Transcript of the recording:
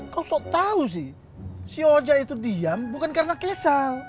kau sok tau sih si ojek itu diam bukan karena kesal